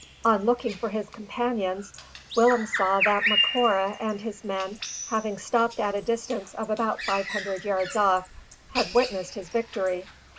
On looking for his companions, Willem saw that Macora and his men, having stopped at a distance of about five hundred yards off, had witnessed his victory.